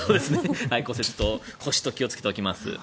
骨折と腰と気をつけておきます。